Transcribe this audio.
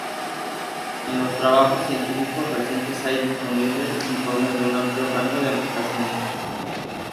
En los trabajos científicos recientes hay disponible informes de un amplio rango de aplicaciones.